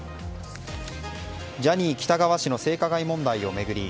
ジャニー喜多川氏の性加害問題を巡り